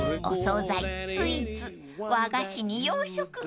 ［お総菜スイーツ和菓子に洋食］